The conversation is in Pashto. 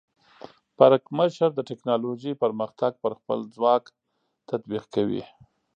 پرکمشر د ټیکنالوجۍ پرمختګ پر خپل ځواک تطبیق کوي.